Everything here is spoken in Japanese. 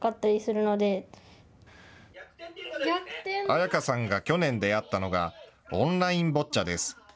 彩夏さんが去年、出会ったのがオンラインボッチャです。